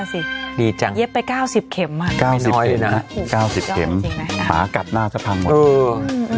สิดีจังเย็บไปเก้าสิบเข็มอ่ะเก้าสิบเข็มนะฮะเก้าสิบเข็มขากัดหน้าจะพังหมดเออ